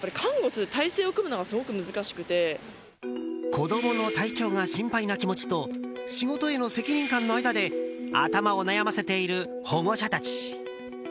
子供の体調が心配な気持ちと仕事への責任感の間で頭を悩ませている保護者たち。